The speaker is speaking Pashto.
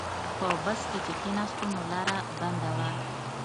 په بس کې چې کیناستو نو لاره بنده وه.